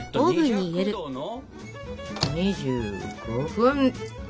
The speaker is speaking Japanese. ２５分！